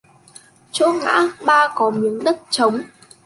chỗ ngã ba có miếng đất trống